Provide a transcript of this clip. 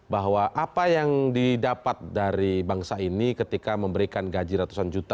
bahwa apa yang didapat dari bangsa ini ketika memberikan gaji ratusan juta